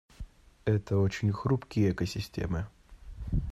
Это очень хрупкие экосистемы.